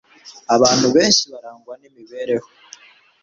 Abantu benshi barangwa n’imibereho